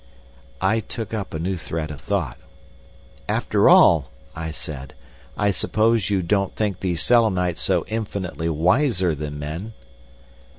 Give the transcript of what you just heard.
I took up a new thread of thought. "After all," I said, "I suppose you don't think these Selenites so infinitely wiser than men."